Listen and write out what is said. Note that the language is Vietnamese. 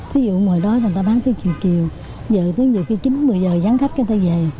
thí dụ hồi đó người ta bán từ chiều chiều giờ tới nhiều khi chín một mươi giờ giãn khách người ta về